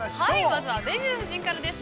◆まずは「デビュー夫人」からです。